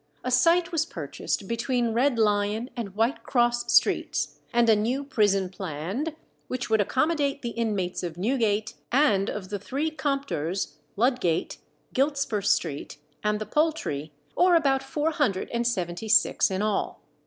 A site was purchased between Red Lion and White Cross streets, and a new prison planned, which would accommodate the inmates of Newgate and of the three compters, Ludgate, Giltspur Street, and the Poultry, or about four hundred and seventy six in all.